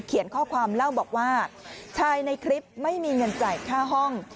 ข้อความเล่าบอกว่าชายในคลิปไม่มีเงินจ่ายค่าห้อง